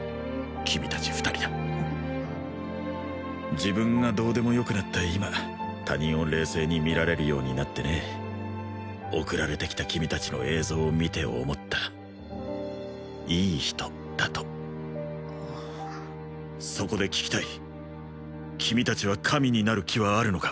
君達２人だ自分がどうでもよくなった今他人を冷静に見られるようになってね送られてきた君達の映像を見て思ったいい人だとそこで聞きたい君達は神になる気はあるのか？